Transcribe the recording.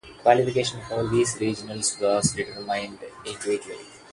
Qualification for these regionals was determined individually.